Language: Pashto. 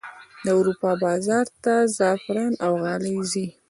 د اروپا بازار ته زعفران او غالۍ ځي